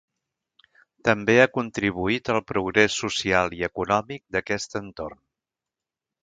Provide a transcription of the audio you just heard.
També ha contribuït al progrés social i econòmic d'aquest entorn.